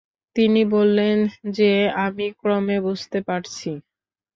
তিনি বললেন, সে আমি ক্রমে বুঝতে পারছি।